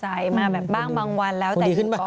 ใสมาแบบบ้างบางวันแล้วแต่อยู่กล่อง